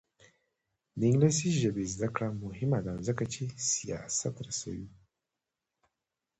د انګلیسي ژبې زده کړه مهمه ده ځکه چې سیاست رسوي.